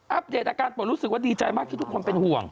เดตอาการปวดรู้สึกว่าดีใจมากที่ทุกคนเป็นห่วง